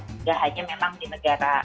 tidak hanya memang di negara